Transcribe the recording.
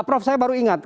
prof saya baru ingat